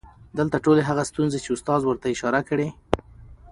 دلته ټولې هغه ستونزې چې استاد ورته اشاره کړى